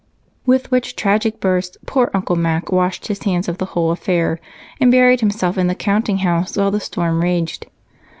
With which tragic burst, poor Uncle Mac washed his hands of the whole affair and buried himself in the countinghouse while the storm raged.